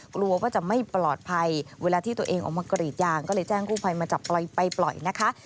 กลัวว่าจะไม่ปลอดภัยเวลาที่ตัวเองออกมากรีดยางก็เลยแจ้งกู้ภัยมาจับปล่อยไปปล่อยนะคะ